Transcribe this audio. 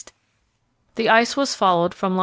The ice was followed from long.